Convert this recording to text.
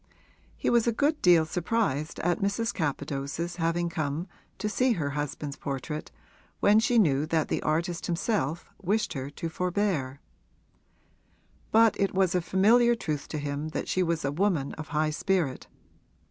He was a good deal surprised at Mrs. Capadose's having come to see her husband's portrait when she knew that the artist himself wished her to forbear; but it was a familiar truth to him that she was a woman of a high spirit.